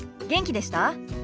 元気でした？